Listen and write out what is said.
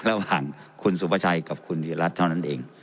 ระหว่างคุณสุภาชัยกับคุณธิรัตน์เท่านั้นเอง